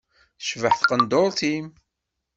Tecbeḥ tqenduṛṭ-im.